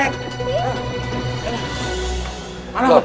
nggak usah takut